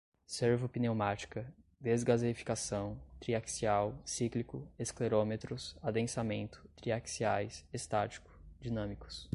servo-pneumática, desgaseificação, triaxial, cíclico, esclerômetros, adensamento, triaxiais, estático, dinâmicos